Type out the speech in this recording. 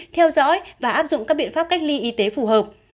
theo dõi và áp dụng các biện pháp cách ly y tế phù hợp